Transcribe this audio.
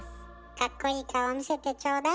かっこいい顔見せてちょうだい。